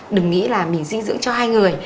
đừng nghĩ là mình dinh dưỡng cho hai người